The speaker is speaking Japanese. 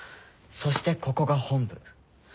そしてここが本部。